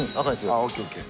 あっＯＫＯＫ。